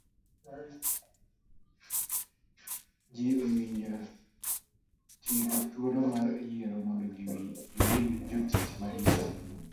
Ji owinjo ti gi thuolo mar yiero mondo giwil jotich maricho gi